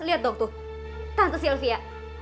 lihat dok tuh tante sylvia